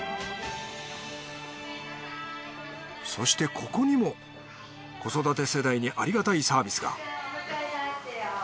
そしてここにも子育て世代にありがたいサービスがママ。